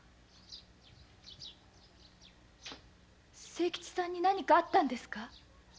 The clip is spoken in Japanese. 清吉さんに何かあったんですか？